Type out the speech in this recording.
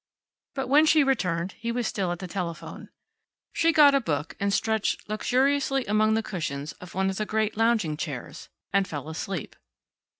But when she returned he was still at the telephone. She got a book and stretched luxuriously among the cushions of one of the great lounging chairs, and fell asleep.